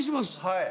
はい。